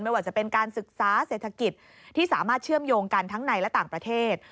ว่าจะเป็นการศึกษาเศรษฐกิจที่สามารถเชื่อมโยงกันทั้งในและต่างประเทศ